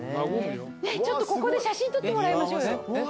ちょっとここで写真撮ってもらいましょうよ。